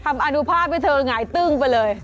อนุภาพให้เธอหงายตึ้งไปเลย